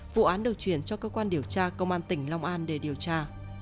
vụ án được chuyển cho cơ quan điều tra công an tỉnh long an để điều tra